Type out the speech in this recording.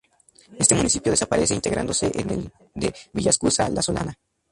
Este municipio desaparece integrándose en el de Villaescusa la Solana.